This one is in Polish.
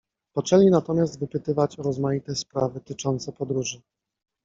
Poczęli natomiast wypytywać o rozmaite sprawy tyczące podróży.